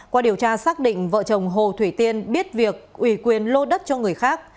qua điều tra xác định vợ chồng hồ thủy tiên biết việc ủy quyền lô đất cho người khác